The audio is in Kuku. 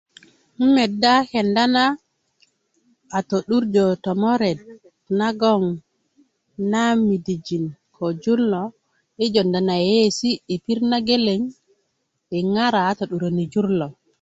'n meda kenda a to'durjö tomoret nagon na midijin ko jur lo i jonda na yeiyesi i pirit nageleŋ i ŋara a to'duröni jur lo